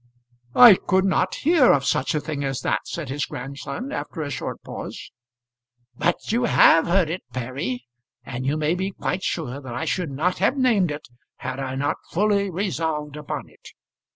"I could not hear of such a thing as that," said his grandson, after a short pause. "But you have heard it, Perry, and you may be quite sure that I should not have named it had I not fully resolved upon it.